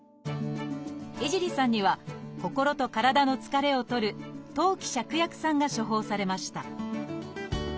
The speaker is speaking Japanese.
江尻さんには心と体の疲れを取る「当帰芍薬散」が処方されました。